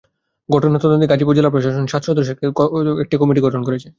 ঘটনা তদন্তে গাজীপুর জেলা প্রশাসন সাত সদস্যের একটি কমিটি গঠন করেছে।